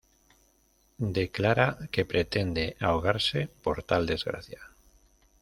Declara que pretende ahogarse por tal desgracia.